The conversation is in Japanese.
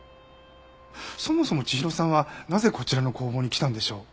そもそも千尋さんはなぜこちらの工房に来たんでしょう？